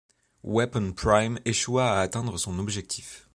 Weapon Prime échoua à atteindre son objectif.